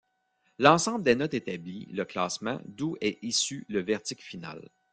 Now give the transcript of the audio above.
L'ensemble des notes établit le classement d'où est issu le verdict final.